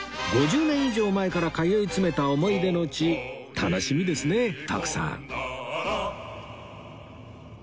５０年以上前から通い詰めた思い出の地楽しみですね徳さん